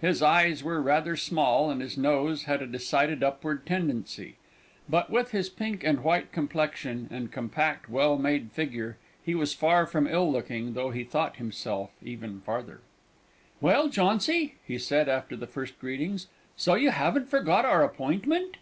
His eyes were rather small, and his nose had a decided upward tendency; but, with his pink and white complexion and compact well made figure, he was far from ill looking, though he thought himself even farther. "Well, Jauncy," he said, after the first greetings, "so you haven't forgot our appointment?"